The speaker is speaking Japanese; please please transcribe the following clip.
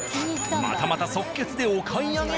またまた即決でお買い上げ。